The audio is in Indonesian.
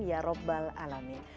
ya rabbal alamin